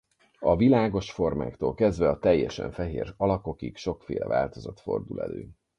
A világos formáktól kezdve a teljesen fehér alakokig sokféle változat fordul elő.